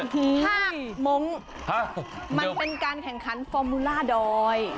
ภาคมงค์มันเป็นการแข่งขันฟอร์มูล่าดอย